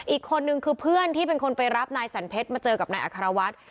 อีกคนนึงคือเพื่อนที่เป็นคนไปรับนายสันเพชรมาเจอกับนายอัครวัฒน์